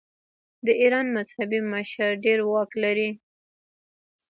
د ایران مذهبي مشر ډیر واک لري.